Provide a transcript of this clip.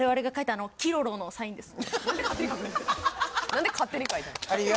何で勝手に書いたんや。